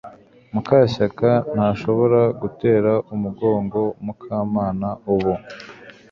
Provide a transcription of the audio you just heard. Mukashyaka ntashobora gutera umugongo Mukamana ubu